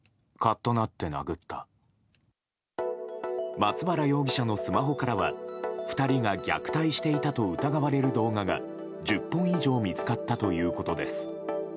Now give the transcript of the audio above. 松原容疑者のスマホからは２人が虐待していたと疑われる動画が１０本以上見つかったということです。